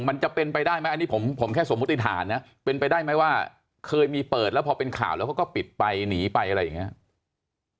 มันจะเป็นไปได้ไหมอันนี้ผมแค่สมมุติฐานนะเป็นไปได้ไหมว่าเคยมีเปิดแล้วพอเป็นข่าวแล้วเขาก็ปิดไปหนีไปอะไรอย่างนี้